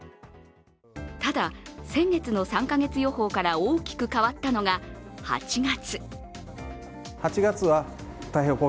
ただ、先月の３か月予報から大きく変わったのが８月。